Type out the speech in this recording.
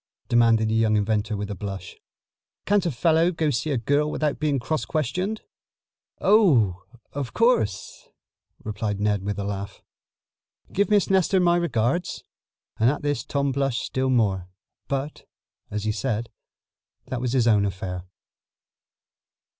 demanded the young inventor with a blush. "Can't a fellow go see a girl without being cross questioned?" "Oh, of course," replied Ned with a laugh. "Give Miss Nestor my regards," and at this Tom blushed still more. But, as he said, that was his own affair.